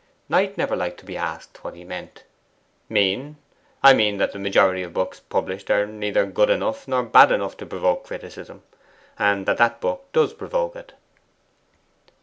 Knight never liked to be asked what he meant. 'Mean! I mean that the majority of books published are neither good enough nor bad enough to provoke criticism, and that that book does provoke it.